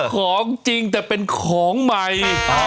ของจริงแต่เป็นของใหม่